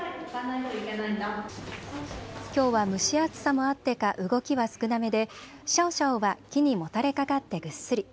きょうは蒸し暑さもあってか動きは少なめでシャオシャオは木にもたれかかってぐっすり。